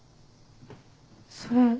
それ。